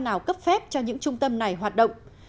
nào cấp phép cho những trung tâm này hoạt động